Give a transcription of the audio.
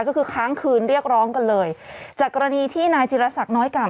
ก็คือค้างคืนเรียกร้องกันเลยจากกรณีที่นายจิรษักน้อยเก่า